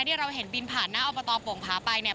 ที่เราเห็นบินผ่านหน้าอบตโป่งผาไปเนี่ย